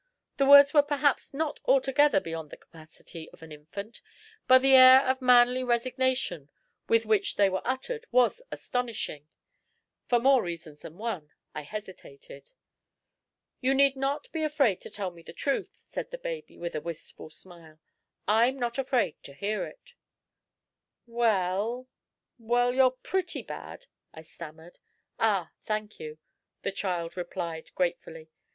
The words were perhaps not altogether beyond the capacity of an infant; but the air of manly resignation with which they were uttered was astonishing. For more reasons than one, I hesitated. "You need not be afraid to tell me the truth," said the baby, with a wistful smile; "I'm not afraid to hear it." "Well well, you're pretty bad," I stammered. "Ah! thank you," the child replied gratefully.